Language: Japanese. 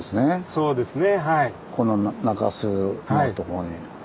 そうですね。